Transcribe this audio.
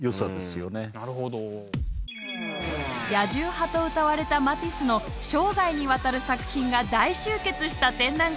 「野獣派」とうたわれたマティスの生涯にわたる作品が大集結した展覧会。